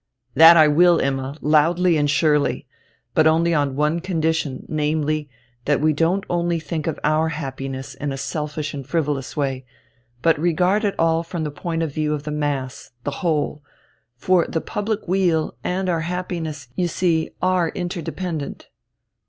"That I will, Imma, loudly and surely. But only on one condition, namely, that we don't only think of our own happiness in a selfish and frivolous way, but regard it all from the point of view of the Mass, the Whole. For the public weal and our happiness, you see, are interdependent."